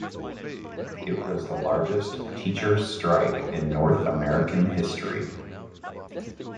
It was the largest teachers' strike in North American history.